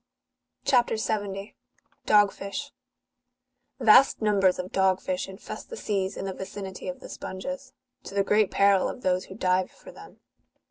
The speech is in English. CHAP. 70. (46.) DOG FISH.' Yast numbers of dog fish infest the seas in the vicinity of the sponges, to the great peril of those who dive for them.